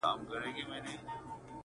د ستني سر چــي د ملا له دره ولـويـــږي،